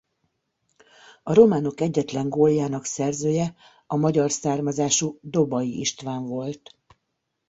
A románok egyetlen góljának szerzője a magyar származású Dobay István volt.